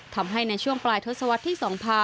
ทำให้ในช่วงปลายทศวรรษที่๒๕